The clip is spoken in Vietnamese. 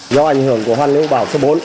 do ảnh hưởng của hoan lũ bảo số bốn